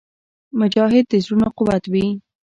مجاهد د زړونو قوت وي.